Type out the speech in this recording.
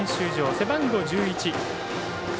背番号１１外